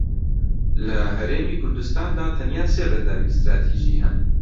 لە هەرێمی کوردستاندا تەنیا سێ بەنداوی ستراتیژی هەن